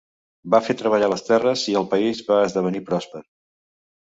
Va fer treballar les terres i el país va esdevenir pròsper.